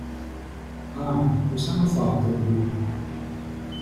Ah, cosa hanno fatto di lui!